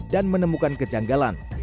dan menemukan kejanggalan